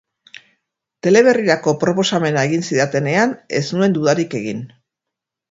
Teleberrirako proposamena egin zidatenean ez nuen dudarik egin.